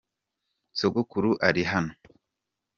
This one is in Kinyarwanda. Sogokuru ari hano.